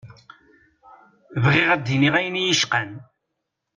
Bɣiɣ ad d-iniɣ ayen iyi-icqan.